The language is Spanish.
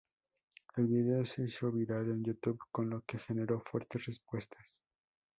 El vídeo se hizo viral en YouTube, con lo que generó fuertes respuestas.